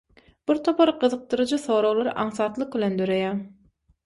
Bir topar gyzykdyrjy soraglar aňsatlyk bilen döreýär.